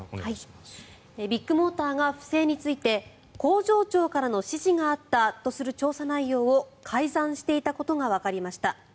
ビッグモーターが不正について工場長からの指示があったとする内容の調査内容を改ざんしていたことがわかりました。